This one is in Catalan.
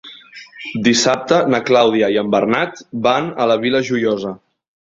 Dissabte na Clàudia i en Bernat van a la Vila Joiosa.